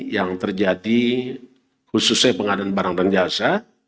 yang terjadi khususnya pengadaan barang dan jasa